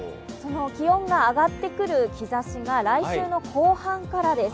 気温が上がってくる兆しが来週の後半からです。